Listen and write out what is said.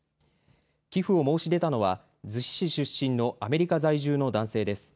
寄付を申し出たのは逗子市出身のアメリカ在住の男性です。